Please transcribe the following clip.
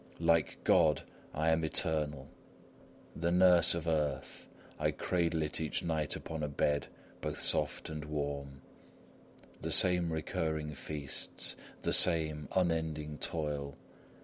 Like God, I am eternal! The nurse of Earth, I cradle it each night upon a bed both soft and warm. The same recurring feasts; the same unending toil!